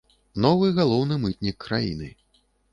Новы галоўны мытнік краіны.